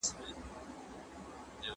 زموږ په ټولنه کې زده کړه د هر چا حق دی.